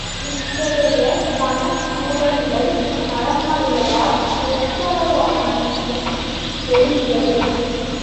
இத்தகைய பணப்பூதங்கள் நடமாடுவதால் ஒப்புரவாண்மை கெடுகிறது.